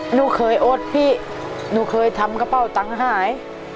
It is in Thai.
หนูเคยโอ๊ตพี่หนูเคยทำกระเป๋าตังค์หาย